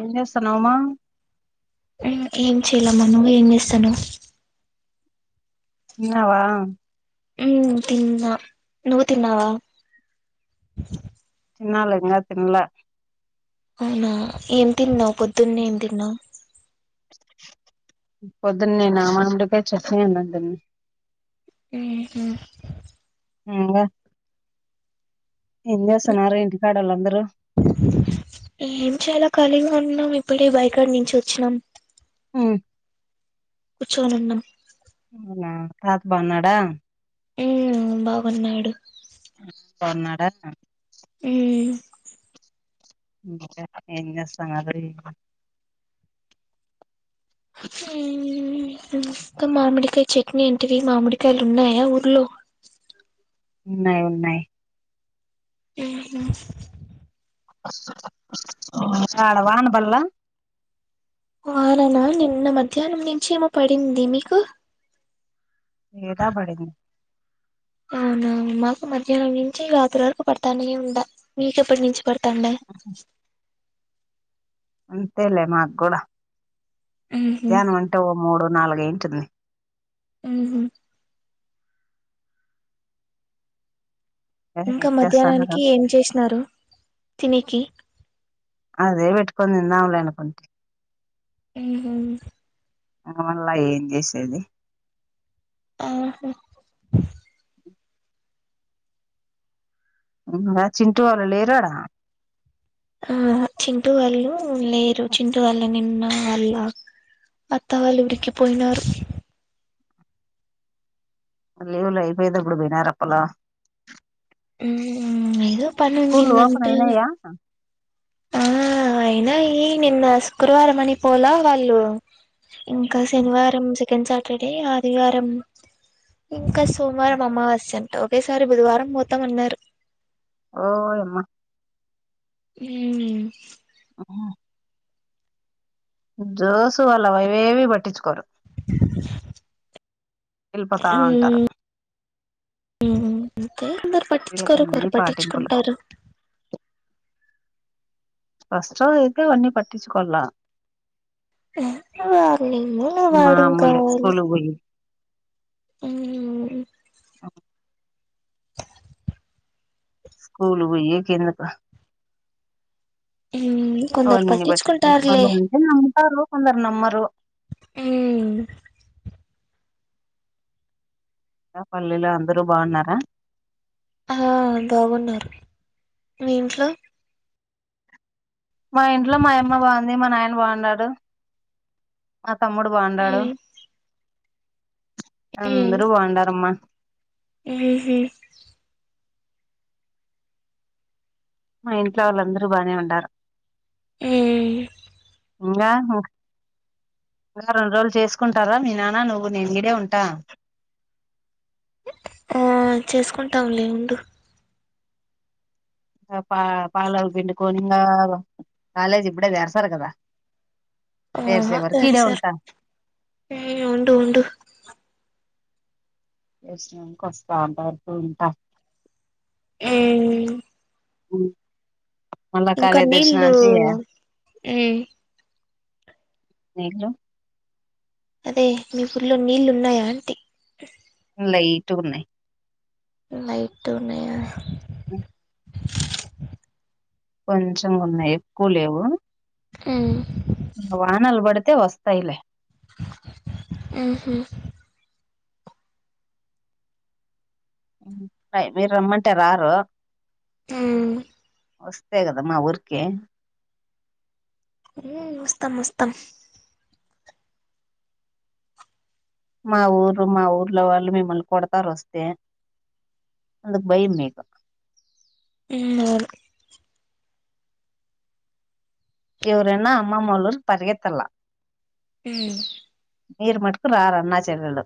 ఏం చేస్తున్నావమ్మా. ఏం చెయలేమ్మా నువ్వేం ఏం చేస్తున్నావ్. ఉన్నావా. నువ్వు తిన్నా నువ్వు తిన్నావా. తినాలి ఇంకా తినలే. అవునా ఏం తిన్నావు పొద్దున్నే ఏం తిన్నావు. పొద్దున్నేనా ఆహ్ బెండకాయ చట్నీ ఉండే అండి. ఉమ్ ఉహూ. అమ్మ. ఏం చేస్తున్నారు ఇంటికాడోళ్ళుందరూ. ఏం చాయలా ఖాళీగా ఉన్నాం ఇప్పుడే బైకాడ్ నుంచి వచ్చినాం. ఉమ్. కూచోనున్నాం. అవునా తాత బాగున్నాడా. ఉమ్ బాగున్నాడు. సున్నాడ. ఉమ్. ఇంకా ఎంజెస్తున్నారు ఇది. ఇంకా మామిడికాయ చట్నీ అంటివి మామిడికాయలు ఉన్నాయా ఊర్లో. ఉన్నాయి ఉన్నాయి ఉహు. ఆహ్ ఆడ్వాన్ బల్ల. అవునవును నిన్న మధ్యాహ్నం నుంచెమో పడింది మీకు. ఈత పడింది. అవునా మాకు మధ్యాహ్నం నుంచి రాత్రి వరకు పడతానే ఉంటా మీకెప్పటి నుంచి. పడుతుండే. అంతేలే మాకు కూడా ఉహు మధ్యాహ్నం ఉంటే‌ఓ మూడు నాలుగైంటుంది. ఉహు. ఇంకా ఏం చేస్తున్నారు మధ్యాహ్నానికి ఏం చేసినారు తినికి. అదే పెట్టుకొని తిందాంలేనుకుంటి. ఉహు. ఆహ్ మల్లా ఏం చేసేది. ఆహ్. ఉమ్ మా చింటూ వాళ్ళు లేరార ఆహ చింటు వాళ్ళు లేరు చింటు వాళ్ళు నిన్న వాళ్ళ అత్త వాళ్ళింటికి పోయినారు లీవ్ లో అయిపోయిదప్పుడు పోయినారప్పలా ఉమ్ ఏదో పని స్కూళ్లు ఉండిందంట ఓపెనయినయ అక్క అయినయి ఈ నిన్న శుక్రవారం అని పోల వాళ్ళు ఇంక శనివారం సెకండ్ సాటర్డే ఆదివారం ఇంక సోమవారం అమావాస్య అంట ఒకేసారి బుధవారం పోతామన్నరు ఓ యమ్మ ఊమ్ ఉహు జోసు వాళ్ళు అవేవి పట్టించుకోరు ఎళ్ళిపోతా ఉంటారు ఉమ్ అంతె అందరు వీళ్ళకి పట్టించుకోరు అన్ని కొందరు పాటింపులు పట్టించుకుంటారు ఫస్ట్ టైం అయితే అవన్ని పట్టించుకోల వార్నింగ్ నా వార్నింగ్ మామూలే కావాలి స్కూల్ కు పోయి మ్మ్ అ స్కూలు పొయ్యే కెందుకు మ్మ్ కొందరు అవన్నీ పట్టించుకుంటారులే బట్టించుకుంటారు అంటే నమ్ముతారు కొందరు నమ్మరు ఊమ్ మ పల్లె లో అందరు బాగున్నార ఆహా బాగున్నారు మీ ఇంట్లో మా ఇంట్లో మాయమ్మ బాగుంది మా నాయన బాగున్నాడు తమ్ముడు బాగుండాడు మ్మ్ అందరు బాగుండారమ్మా ఉహు మా ఇంట్లో వాళ్ళందరు బానే ఉండారు ఉమ్మ్ ఇంగ ము ఇ రెండు రోజులు చేసుకుంటార మీనాన్న నువ్వు నేను గిడే ఉంటాం ఆ చేసుకుంటాంలే ఉండు ఇంక పా పాల పిండుకోనీ ఇంగా కాలేజ్ ఇప్పుడే తెరసరు కద ఆహా తెరసరు ఊమ్ ఉండు ఉండు తెరిసినంక ఒస్తాఉంట ఇప్పుడు ఉంట ఊమ్ ఉమ్ ఇంక నీళ్ళు ఉమ్ నీళ్లు అదే మీ ఊర్లో నీళ్ళున్నాయ అంటీ లైట్ గ ఉన్నయి లైట్ ఉన్నయ [inaudible] కొంచెం ఉన్నయి ఎక్కువ లేవు ఉమ్ ఇంక వానల్ బడితె వస్తయి లె ఉహు మీరు రమ్మంటే రారు ఉ వస్తే కద ఊర్కే వస్తాం వస్తాం మా ఊరు మా ఊర్లో వాళ్ళు మిమ్మల్ని కొడతారు వస్తే అందు భయం మీకు ఉన్నారు ఎవరన్న అమ్మమ్మళూర్ పరిగెత్తల్ల ఉ మీరు మటుకు రారు అన్నా చెల్లెల్లు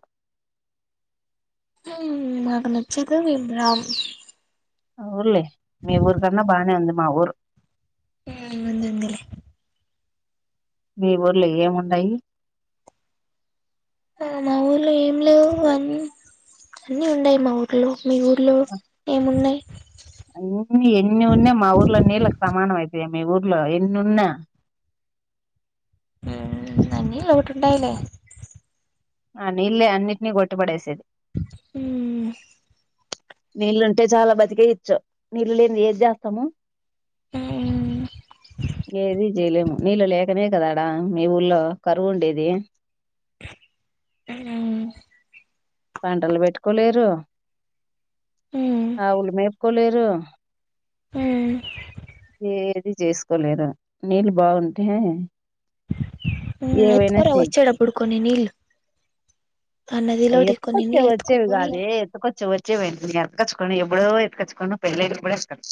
హ్మ్ మాకు నచ్చక మేం రామ్ అవున్లే మీ ఊరు కన్నా బానే ఉంది మా ఊరు ఆ వుందు ఉందిలే మీ ఊర్లో లో ఏం ఉన్నయి ఆ మా ఊర్లో ఏం లేవు అన్ అన్నీ ఉండాయ్ మా ఊర్లో మీ ఊర్లో ఏమున్నయ్ అన్ని ఎన్ని ఉన్నా మా ఊర్లో నీళ్ళకి సమానం అయితయా మీ ఊర్లో ఎన్ని ఉన్నా అన్ని లోటుంటాయిలే ఆ నీళ్లే అన్నింటినీ కొట్టి పడేసేది హ్మ్ నీళ్ళుంటే చాలా బతికేయొచ్చు నీళ్లు లేని ఏది జేస్తము మ్మ్ ఏది జేలేము నీళ్ళు లేకనే కదా ఆడ మీ ఊళ్లో కరువు ఉండేది ఉమ్ పంటలు పెట్టుకోలేరు మ్మ్ ఆవులు మేపుకోలేరు ఆ ఏది జేసుకోలేదు నీళ్ళు బాగుంటే ఏవైనా ఎత్తుకొరా చెయ్ వచ్చేటప్పుడు కొన్ని నీళ్లు ఎత్తుకొచ్చే వచ్చేవి గాదె ఎత్తుకొచ్చే వచ్చేవి అయితే ఎత్తకచ్చుకొని ఎబ్బుడో కచ్చుకొని పెళ్ల కూడా ఇస్తారు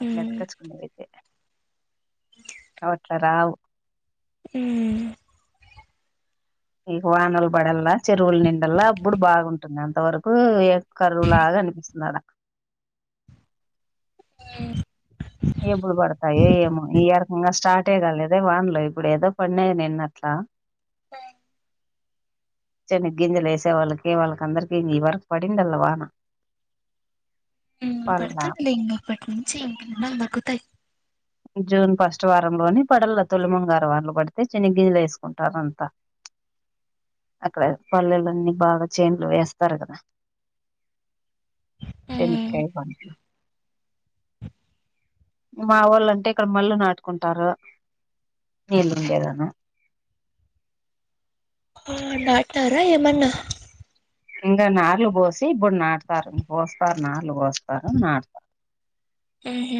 అట్ల మ్మ్ ఎత్తకచ్చుకునేవయితే అ రావు హుమ్మ్ ఇక వానలు పడల్లా చెరువులు నిండల్ల అబ్బుడు బాగుంటుంది అంతవరకు కరువు లాగా అనిపిస్తుంది ఆడ ఆ ఇంగా స్టార్ట్ కాలేదే వాన్లో ఇప్పుడు ఏదో పడినాయి నిన్న అట్లా ఆ చ్చనిగ్ గింజలు వేసే వాళ్ళకి వాళ్ళకందరికీ నీ వరకి పడిండల్ల వాన ఉమ్ పల్లా పడుతుంది ఇం అప్పటి నుంచి ఇంన్నల్ దగ్గుతాయ్ జూన్ ఫస్ట్ వారంలోని పడల్ల తొలిముంగారు వానలు పడితే సెన్న గింజలు వేసుకుంటారు అంతా అక్కడ పల్లెలు అన్నీ బాగా చేన్లు వేస్తారు కదా చెనిక్కాయ్ మ్మ్ పంట్లు మా వాళ్ళుంటే ఇక్కడ మళ్ళీ నాటుకుంటారు న లేదనా ఆ నాటారా ఏమన్నా ఇంకా నార్లు పోసి ఇప్పుడు నాడతారు ఇం పోస్తారు నార్లు పోస్తారు నాడతారు ఉహ్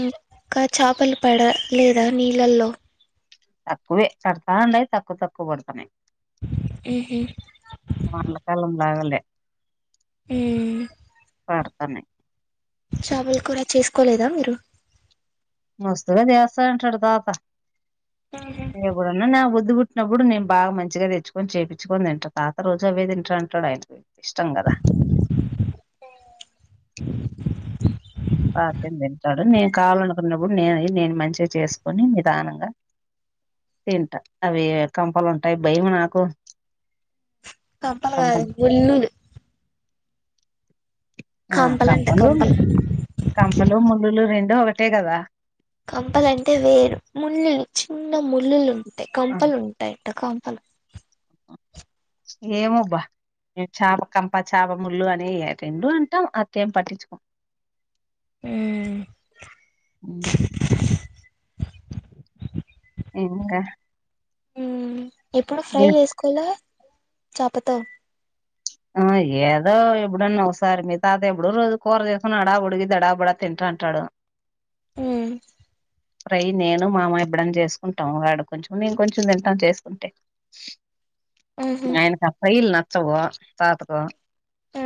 ఇంకా చేపలు పడ లేదా నీళ్ళల్లో తక్కువే పడతాయి తక్కువ తక్కువ పడుతున్నాయి ఉహు వాళ్ళకాల ఉండగాలే మ్మ్ పడతానయ్ చాపలు కూర చేసుకోలేదా మీరు మస్తుగా చేస్తా అంటాడు తాత ఉహు ఎప్పుడన్నా నా బుద్ధి బుట్టి తుట్టిప్పుడు నేను బాగా మంచిగా తెచ్చుకొని చేయిించుకొని తింటా తాత రోజు అవే తింటా అంటాడు ఆయనకు ఇష్టం కదా తాతన్ తింటాడు నేను కావాలనుకున్నప్పుడు నేను నేను మంచిగా చేసుకుని నిదానంగా తింటా అవి కంపలుంటాయి భయం నాకు కప్పల కాదు కంపలు ముల్లులు ఆ కంపలు కంపలు ముల్లులు రెండు ఒకటే కదా కంపలు అంటే వేరు ముల్లులు చిన్న ముల్లులు ఉంటాయి కంపలు ఉంటాయట కం పలు ఏమోబ్బా చేప కంప చేప ముళ్లు అని రెండు అంటాం అకేం పట్టించుకోం ఉమ్ అ ఇంకా ఎప్పుడు ఫ్రై చేసుకోల చపతో ఆ ఏదో ఎప్పుడన్నా ఒకసారి మీ తాత ఎప్పుడు రోజు కూర చేసుకుని అడాబడికి దడాబడా తింటారు కంటాడు ఉ ఫ్రై నేను మామ ఇప్పుడని చేసుకుంటాం వాడు కొంచెం నేను కొంచెం తింటాం చేసుకుంటే ఉహు ఆయనకు ఆ ఫ్రైలు నచ్చవు తాతక్కు ఆ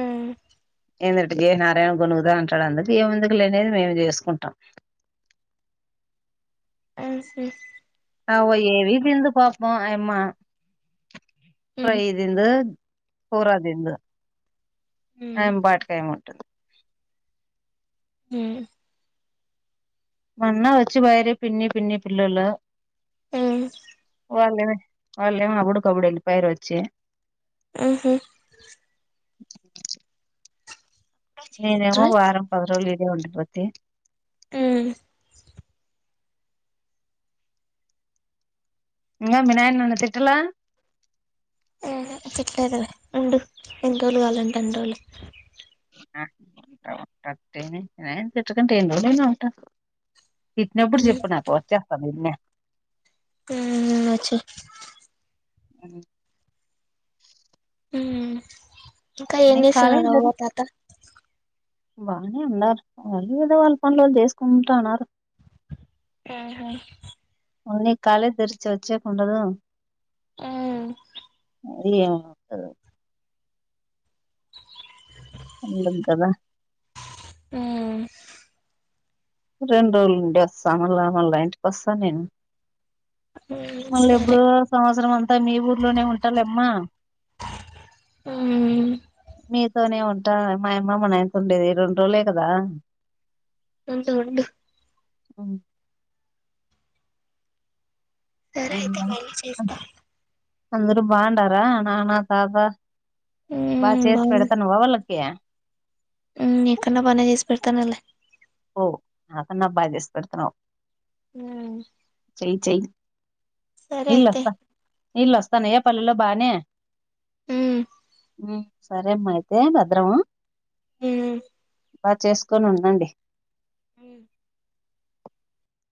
ఏందుంటే జయనారాయణ గొనుగుదా అంటాడు అందుకు ఏ ముందుకు లేనిది మేము చేసుకుంటాం ఉహు అవ ఏవీ తిందు పాపం ఆయమ ఉమ్ ఫ్రై తిందు కుర్ర తిందు ఉమ్ అ పాట్కాయ ముంటుంది మ్మ్ మొన్న వచ్చి వయరి పిన్ని పిన్ని పిల్ల ఆ వాళ్ళు వాళ్ళు ఏమైనా అప్పుడకపుడు వెళ్లిపోయారు వచ్చి ఆహా నేనేమో ట్రై వారం పది రోజులు ఇడే ఉండీపోతి ఉమ్ ఇంకా వినాయన్ నన్ను తిట్టలే ఆ తిట్టలేదు లే ఉండు ఎన్నిర్రోలు కలంటే అన్ని రోలు తిట్టకుంటె ఎన్ని రోజులు ఐన ఉంట తిట్టినప్పుడు ఉమ్ చెప్పు నాకు వచ్చేస్తాను నిన్నే ఉమ్ వచ్చేయ్ ఉమ్ ఊమ్ ఇంక నీకు కాలేజ్ ఎంజేస్తున్నారు తెరి అవ్వ తాత బానే ఉన్నారు వాళ్ళ ఏదో వాళ్ళ పనులు చేసుకుంటా ఉన్నారు ఆహా ఉండని కాలజ్ తేరిచ వచ్చేకి ఉండదు [inaudible] ఊమ్ అడిగాం అత్తలే ఉండలేం కదా ఊమ్ రెండు రోజులుండె వస్తా మళ్ళా మళ్ళా ఇంటికి వస్తా నేను ఉమ్ మళ్ళ సరే ఎప్పుడో సంవత్సరం అంత సరే మీ ఊర్లోనే ఉంటాలమ్మా ఉమ్ మీతోనే ఉంట మాయమ్మమ్మనే అయిత ఉండేది రెండు రోజులే కదా ఉంటె ఉండు ఉమ్ సరే అయితే మళ్ళీ చేస్త అందరు బాగుండార నాన్న, తాత, బాగ ఉమ్ చేసి బాగుంది పెడతానవా వాళ్ళకి క్య ఉమ్ నీకన్న బానే చేసి పెడతానలె ఓ నాకన్నా బాగ చేసి పెడుతున్నావ్ ఊమ్ చెయ్ చెయ్ సరే అయితే నీళ్లు అస్తానయ కళ్ళలో బాగనే ఉమ్ ఉమ్ సరే అమ్మ అయితే భద్రమ్ ఊమ్ బాగ చేసుకొని ఉండండి ఉమ్